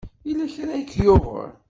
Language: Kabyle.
Yella kra ay k-yuɣen?